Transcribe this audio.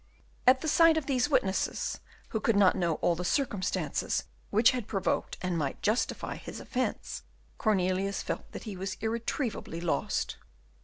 At the sight of these witnesses, who could not know all the circumstances which had provoked and might justify his offence, Cornelius felt that he was irretrievably lost.